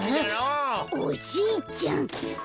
おじいちゃん。